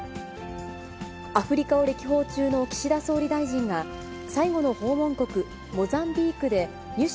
アフリカを歴訪中の岸田総理大臣が、最後の訪問国、モザンビークでニュシ